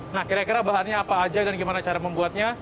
nah kira kira bahannya apa aja dan gimana cara membuatnya